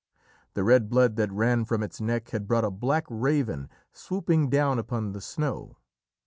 The red blood that ran from its neck had brought a black raven swooping down upon the snow.